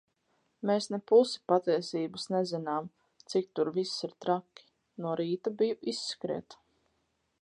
Mēs ne pusi patiesības nezinām, cik tur viss ir traki. No rīta biju izskriet.